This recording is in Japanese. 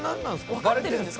バレてるんですか？